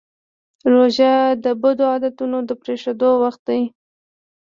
روژه د بدو عادتونو د پرېښودو وخت دی.